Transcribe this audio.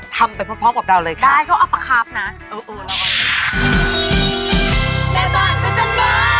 ทำเป็นพร้อมกับเราเลยค่ะได้เขาอัปครับนะเออร้อน